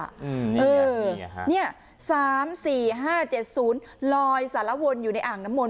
อืมเนี้ยเนี้ยสามสี่ห้าเจ็ดศูนย์ลอยสารวนอยู่ในอ่างน้ำมน